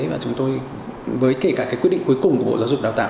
với kể cả quyết định cuối cùng của giáo dục đào tạo